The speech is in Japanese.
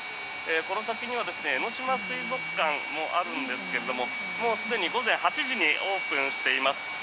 この先には江ノ島水族館もあるんですけどもうすでに午前８時にオープンしています。